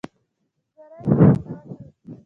زارۍ مې ورته وکړې.